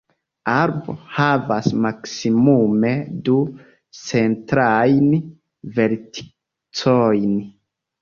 Arbo havas maksimume du centrajn verticojn.